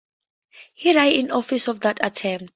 He died in office of that attempt.